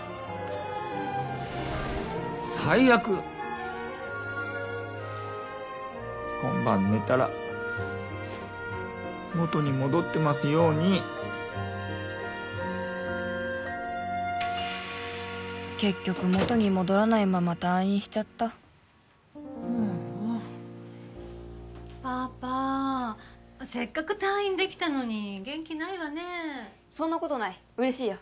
最悪今晩寝たら元に戻ってますように結局元に戻らないまま退院しちゃったパパせっかく退院できたのに元気ないわねそんなことない嬉しいよ